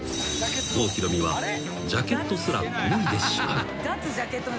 ［郷ひろみはジャケットすら脱いでしまう］